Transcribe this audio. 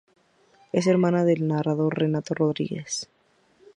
Es hermana del narrador Renato Rodríguez.